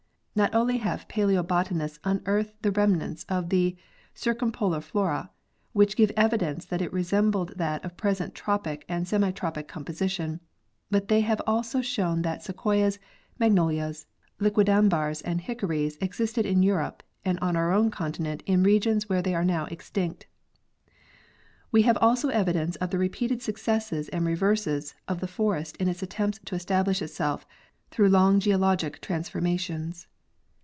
Not only have paleobotanists unearthed the remnants of the circumpolar flora, which give evidence that it resembled that of present tropic and semi tropic composition, but they have also shown that sequoias, magnolias, liquidambars and hickories ex isted in Europe and on our own continent in regions where they are now extinct. We have also evidences of the repeated suc cesses and reverses of the forest in its attempts to establish itself through long geologic transformations.